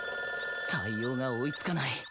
対応が追いつかない。